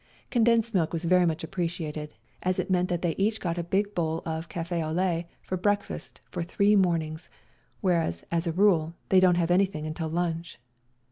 Condensed milk was very much appreciated, as it meant that they each got a big bowl of cafe au lait for breakfast for three morn ings, whereas, as a rule, they don't have anything until lunch.